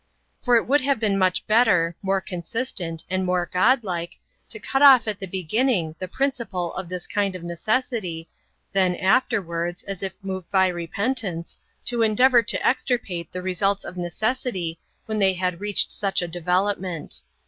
For it would have been much better, more consistent, and more God like, to cut off at the beginning the principle of this kind of neces sity, than afterwards, as if moved by repentance, to endeavour to extirpate the results of necessity when they had reached such a development.